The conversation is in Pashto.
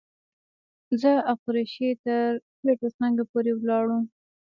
زه او قریشي تر کوټه سنګي پورې ولاړو.